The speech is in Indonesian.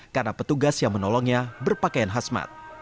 karena petugas yang menolongnya berpakaian hasmat